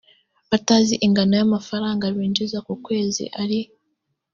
batazi ingano y amafaranga binjiza ku kwezi ari